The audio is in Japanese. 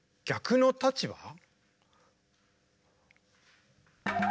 逆の立場？